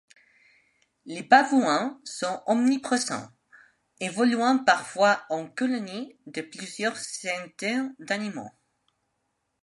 Les babouins sont omniprésents, évoluant parfois en colonies de plusieurs centaines d'animaux.